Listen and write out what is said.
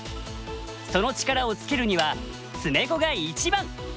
その力をつけるには詰碁が一番！